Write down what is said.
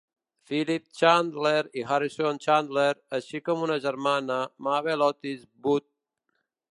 Philip Chandler i Harrison Chandler, així com una germana, Mabel Otis Booth.